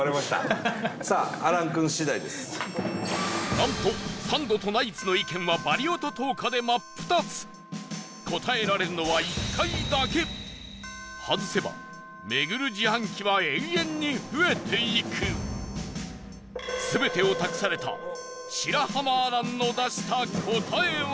なんとサンドとナイツの意見はバリ男と灯花で真っ二つ答えられるのは１回だけ外せば巡る自販機は延々に増えていく全てを託された白濱亜嵐の出した答えは？